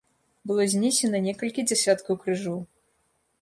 Было знесена некалькі дзясяткаў крыжоў.